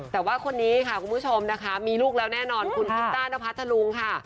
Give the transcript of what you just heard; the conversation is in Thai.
แต่ว่าคนนี้ค่ะคุณผู้ชมนะคะมีลูกแล้วแน่นอนคุณพิตต้านพัทธรุงค่ะ